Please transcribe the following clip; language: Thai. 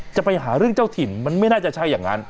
จะไปหาเรื่องเจ้าถิ่นมันไม่น่าจะใช่อย่างนั้น